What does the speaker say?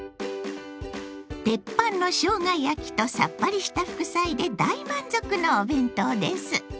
テッパンのしょうが焼きとさっぱりした副菜で大満足のお弁当です。